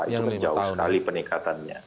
itu menjauh sekali peningkatannya